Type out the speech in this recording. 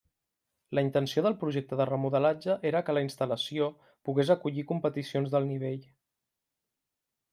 La intenció del projecte de remodelatge era que la instal·lació pogués acollir competicions d'alt nivell.